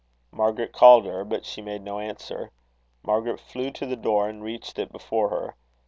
Margaret called her, but she made no answer. Margaret flew to the door, and reached it before her.